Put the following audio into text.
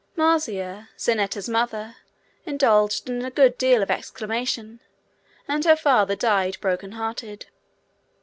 Marzia, Zanetta's mother, indulged in a good deal of exclamation, and the father died broken hearted.